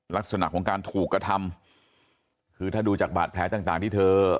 ลักษณะของการถูกกระทำคือถ้าดูจากบาดแผลต่างที่เธอ